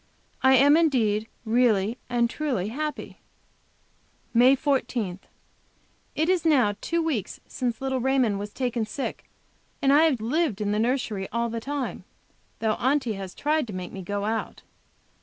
I am indeed really and truly happy. MAY 14. It is now two weeks since little Raymond was taken sick, and I have lived in the nursery all the time, though Aunty has tried to make me go out.